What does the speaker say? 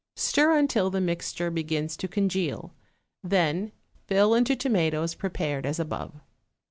Stir until the mixture begins to congeal, then fill into tomatoes prepared as above.